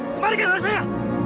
kemarikan anak saya